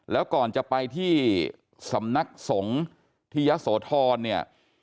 แล้วก่อนจะไปที่สำนักสงฆ์ที่ยะโสธรเนี่ย